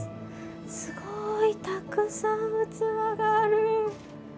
すごいたくさん器がある。